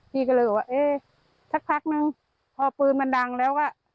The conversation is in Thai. พี่ก็เลยบอกว่าเอ๊ะสักพักนึงพอปืนมันดังแล้วก็